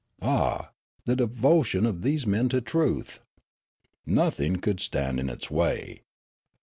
Ah ! the devotion of these men to truth ! Nothing could stand in its way.